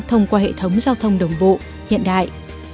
thông qua hệ thống giao thông đồng bộ hiện đại